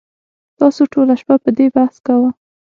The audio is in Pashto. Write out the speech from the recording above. تاسو ټوله شپه په دې بحث کاوه